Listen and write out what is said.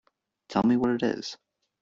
Tell me what it is.